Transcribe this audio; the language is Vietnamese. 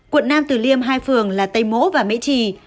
quận nam tử liêm hai phường là tây mỗ và mễ trì